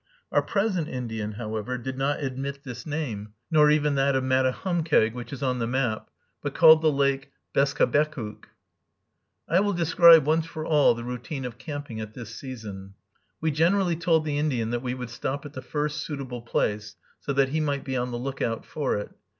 Our present Indian, however, did not admit this name, nor even that of Matahumkeag, which is on the map, but called the lake Beskabekuk. I will describe, once for all, the routine of camping at this season. We generally told the Indian that we would stop at the first suitable place, so that he might be on the lookout for it.